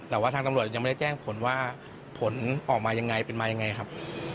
แต่ว่าทางตำรวจยังไม่ได้แจ้งผลว่าผลออกมายังไงเป็นมายังไงครับ